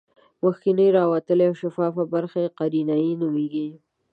مخکینۍ راوتلې او شفافه برخه یې قرنیه نومیږي.